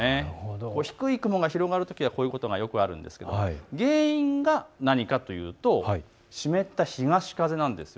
低い雲が広がるときはこういうことがよくありますが、原因が何かというと湿った東風なんです。